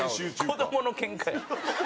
子供のケンカや。